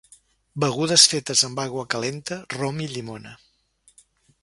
Begudes fetes amb aigua calenta, rom i llimona.